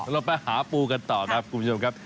เราไปหาปูกันต่อครับคุณผู้ชมครับ